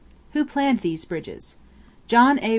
Who planned these bridges? John A.